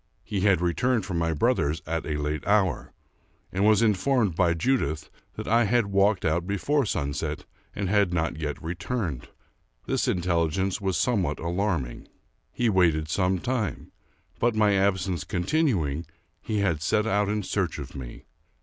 He had re turned from my brother's at a late hour, and was informicd by Judith that I had walked out before sunset and had not yet returned. This intelligence was somewhat alarming. He waited some time; but, my absence continuing, he had set out in search of me.